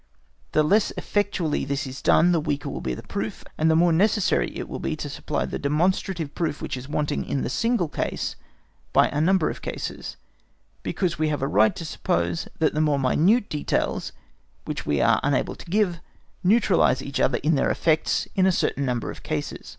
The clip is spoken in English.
The less effectually this is done the weaker will be the proof, and the more necessary it will be to supply the demonstrative proof which is wanting in the single case by a number of cases, because we have a right to suppose that the more minute details which we are unable to give neutralise each other in their effects in a certain number of cases.